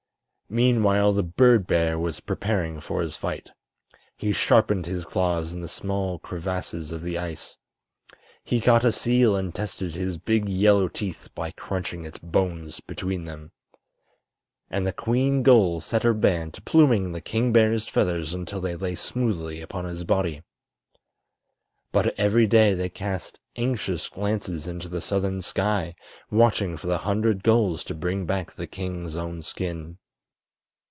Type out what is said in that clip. Meanwhile the bird bear was preparing for his fight. He sharpened his claws in the small crevasses of the ice. He caught a seal and tested his big yellow teeth by crunching its bones between them. And the queen gull set her band to pluming the king bear's feathers until they lay smoothly upon his body. But every day they cast anxious glances into the southern sky, watching for the hundred gulls to bring back the king's own skin.